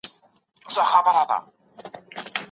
که هغه پخپله اوږه ډېري مڼې نه وړي، ارام به وي.